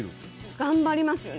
頑張りますよね